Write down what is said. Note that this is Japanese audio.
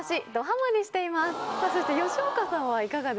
吉岡さんはいかがですか？